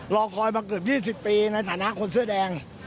รอคอยมาเกือบ๒๐ปีในฐานะคนเสื้อแดง